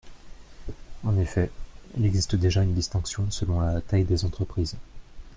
En effet, il existe déjà une distinction selon la taille des entreprises.